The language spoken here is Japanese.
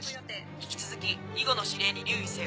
引き続き以後の指令に留意せよ。